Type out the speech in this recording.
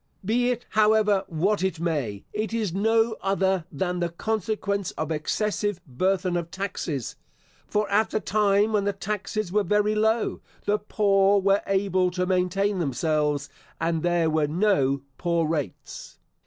Be it, however, what it may, it is no other than the consequence of excessive burthen of taxes, for, at the time when the taxes were very low, the poor were able to maintain themselves; and there were no poor rates.